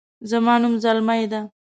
زما نوم زلمۍ ده